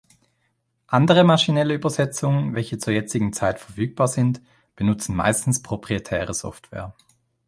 Andere maschinelle Übersetzungen, welche zur jetzigen Zeit verfügbar sind, benutzen meistens proprietäre Software.